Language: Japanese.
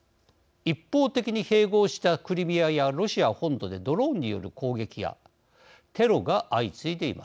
一方的に併合したクリミアやロシア本土でドローンによる攻撃やテロが相次いでいます。